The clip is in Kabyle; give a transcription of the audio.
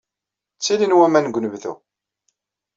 Ttilin waman deg unebdu.